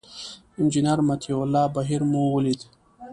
انجینر مطیع الله بهیر مو ولید.